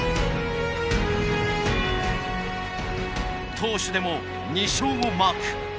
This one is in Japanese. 投手でも２勝をマーク。